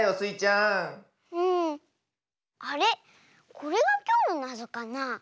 これがきょうのなぞかな。